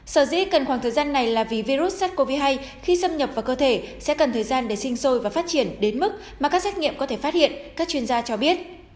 sở dĩ cần khoảng thời gian này là vì virus sars cov hai khi xâm nhập vào cơ thể sẽ cần thời gian để sinh sôi và phát triển đến mức mà các xét nghiệm có thể phát hiện các chuyên gia cho biết